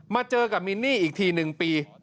เจอกับมินนี่อีกที๑ปี